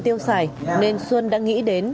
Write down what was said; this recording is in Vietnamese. tiêu xài nên xuân đã nghĩ đến